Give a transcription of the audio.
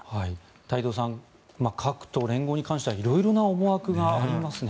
太蔵さん各党、連合に対しては色々な思惑がありますね。